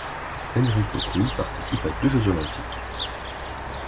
Enrico Kühn participe à deux Jeux olympiques.